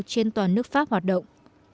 trên toàn nước pháp hoạt động